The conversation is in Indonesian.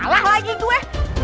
salah lagi itu eh